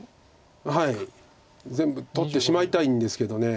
はい全部取ってしまいたいんですけど。